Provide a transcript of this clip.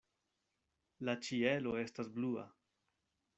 La ĉielo estas blua.